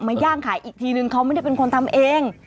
ย่างขายอีกทีนึงเขาไม่ได้เป็นคนทำเอง